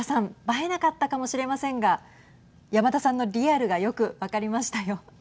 映えなかったかもしれませんが山田さんのリアルがよく分かりましたよ。